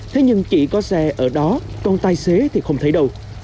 thế nhưng chỉ có xe ở đó còn tài xế thì không thấy đâu